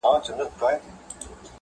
د مالیاتو مسوولین